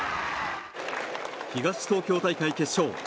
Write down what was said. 東東京大会決勝。